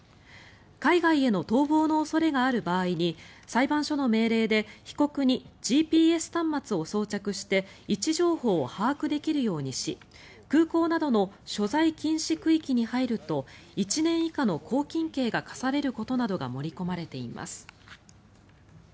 海外への逃亡の恐れがある場合に裁判所の命令で被告にＧＰＳ端末を装着して位置情報を把握できるようにし空港などの所在禁止区域に入ると１年以下の拘禁刑が科されることなどが盛り込まれています。